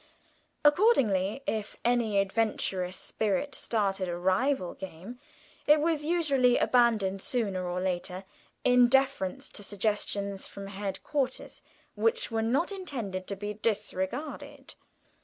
Accordingly, if any adventurous spirit started a rival game, it was usually abandoned sooner or later in deference to suggestions from headquarters which were not intended to be disregarded.